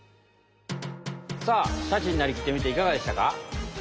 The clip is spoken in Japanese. さあシャチになりきってみていかがでしたか？